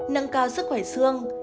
nâng cao sức khỏe xương